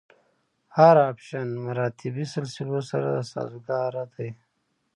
هر اپشن مراتبي سلسلو سره سازګاره دی.